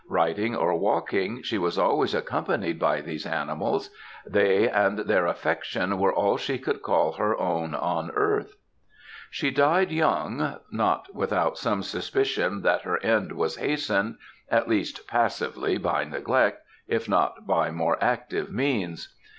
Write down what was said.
Riding or walking, she was always accompanied by these animals they and their affection were all she could call her own on earth. "She died young; not without some suspicions that her end was hastened at least, passively, by neglect, if not by more active means.